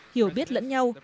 hiểu biết lẫn nhau